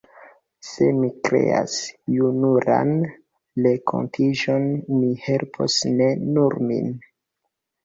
Se mi kreas junularan renkontiĝon, mi helpos ne nur min.